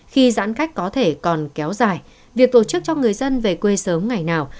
khi giãn cách có thể còn kéo dài việc tổ chức cho người dân về quê sớm ngày nào